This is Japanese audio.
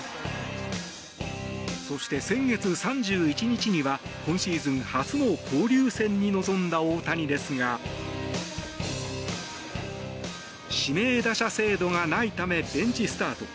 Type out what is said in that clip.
そして、先月３１日には今シーズン初の交流戦に臨んだ大谷ですが指名打者制度がないためベンチスタート。